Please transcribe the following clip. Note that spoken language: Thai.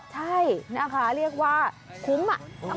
ใช่นะคะเรียกว่าคุ้มอะ